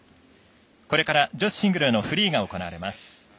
これから女子シングルのフリーが行われます。